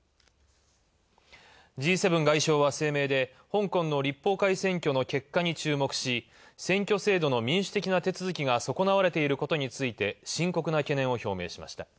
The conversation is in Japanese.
Ｇ７外相は声明で香港の立法会選挙の結果に注目し、選挙制度の民主的な手続きが損なわれていることについて深刻な懸念を表明。